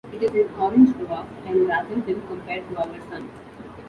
It is an orange dwarf, and rather dim compared to our Sun.